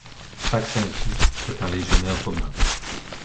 Taxensus est un légionnaire romain.